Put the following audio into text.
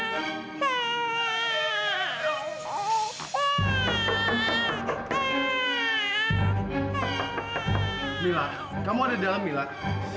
saya inginkan tidak dianggap k chick